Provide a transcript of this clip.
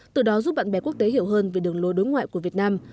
từ đó giúp bạn bè quốc tế hiểu hơn về đường lối đối ngoại của việt nam